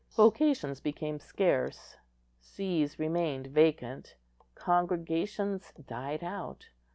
Vocations became scarce; sees remained vacant; congregations died out.